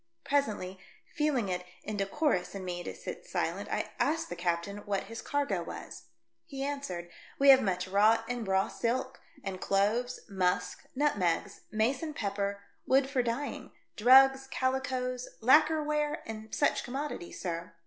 Presently, feeling it inde corus in me to sit silent, I asked the captain what his cargo was. He answered, "We have much wrought and raw silk, and cloves, musk, nutmegs, mace and pepper, wood for dyeing, drugs, cali coes, lacker ware and such commodities, sir."